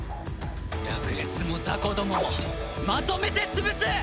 ラクレスも雑魚どももまとめて潰す！